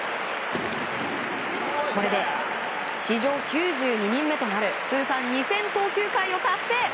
これで史上９２人目となる通算２０００投球回を達成。